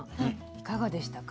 いかがでしたか？